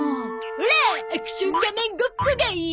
オラアクション仮面ごっこがいい！